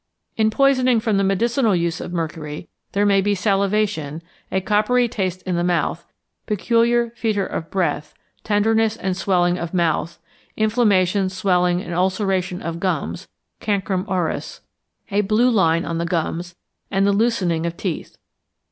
In poisoning from the medicinal use of mercury, there may be salivation, a coppery taste in the mouth, peculiar foetor of breath, tenderness and swelling of mouth, inflammation, swelling and ulceration of gums (cancrum oris), a blue line on the gums, and the loosening of teeth.